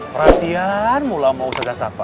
perhatian mula mau sudah sapa